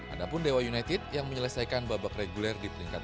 adapun dewa united yang menyelesaikan babak reguler di peringkat ke enam